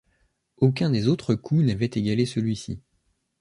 Aucun des autres coups n’avait égalé celui-ci.